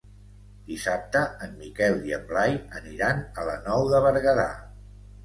Dissabte en Miquel i en Blai aniran a la Nou de Berguedà.